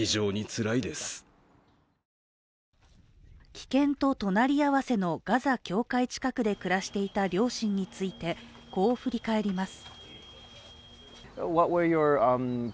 危険と隣り合わせのガザ境界近くで暮らしていた両親についてこう振り返ります。